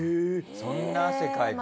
そんな汗かいて。